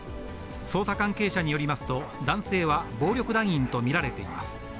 捜査関係者によりますと、男性は暴力団員と見られています。